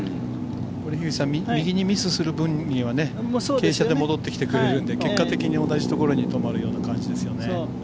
これ右にミスする分には傾斜で戻ってきてくれるんで結果的に同じところで止まるような感じですよね。